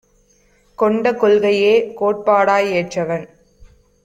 கொண்ட கொள்கையே கோட்பாடாய் ஏற்றவன்